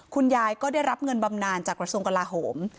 คุณยายก็ได้รับเงินบำนานจากกระทรวงกลาโหม